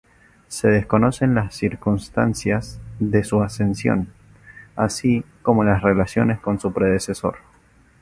Se desconocen las circunstancias de su ascensión, así como las relaciones con su predecesor.